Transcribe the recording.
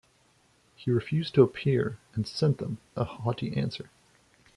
He refused to appear, and sent them a haughty answer.